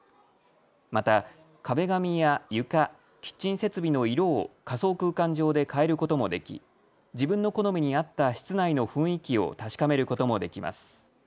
また壁紙や床、キッチン設備の色を仮想空間上で変えることもでき自分の好みに合った室内の雰囲気を確かめることもできます。